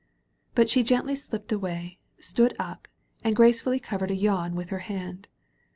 But she gently slipped away, stood up» and grace fully covered a yawn with her hand.